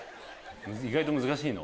意外と難しい。